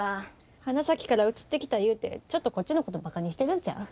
花咲から移ってきたいうてちょっとこっちのことバカにしてるんちゃう？